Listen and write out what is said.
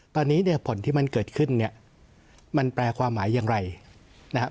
ตอนนี้ผลที่มันเกิดขึ้นมันแปลความหมายอย่างไรนะครับ